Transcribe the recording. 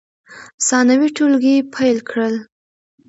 ثانوي ټولګي پیل کړل.